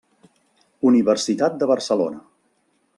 Universitat de Barcelona.